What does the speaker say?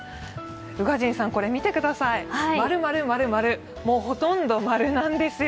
宇賀神さん、見てください、○、○、○、○、もうほとんど○なんですよ。